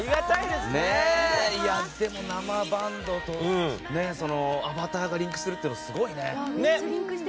でも、生バンドとアバターがリンクするってすごいね。